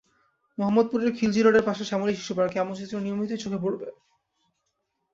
মোহাম্মদপুরের খিলজী রোডের পাশে শ্যামলী শিশুপার্কে এমন চিত্র নিয়মিতই চোখে পড়বে।